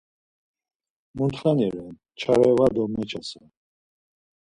Muntxani ren, çare va do meçase